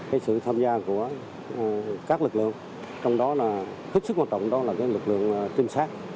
cái sự tham gia của các lực lượng trong đó là hết sức quan trọng đó là cái lực lượng trinh sát